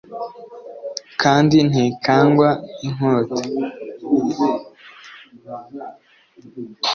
kandi ntikangwa inkota